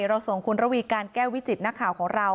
เราส่งคุณระวีการแก้ววิจิตนักข่าวของเรา